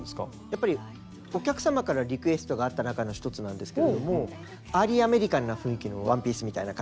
やっぱりお客様からリクエストがあった中の１つなんですけれどもアーリーアメリカンな雰囲気のワンピースみたいな感じで。